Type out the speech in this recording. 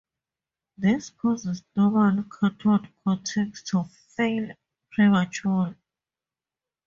This causes normal cathode coatings to fail prematurely.